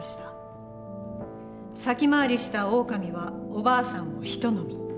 先回りしたオオカミはおばあさんをひと呑み。